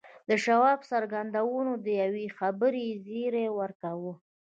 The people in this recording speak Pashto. د شواب څرګندونو د یوې خبرې زیری ورکاوه